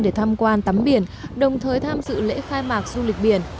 để tham quan tắm biển đồng thời tham dự lễ khai mạc du lịch biển